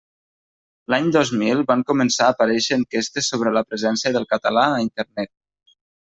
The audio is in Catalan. L'any dos mi van començar a aparèixer enquestes sobre la presència del català a Internet.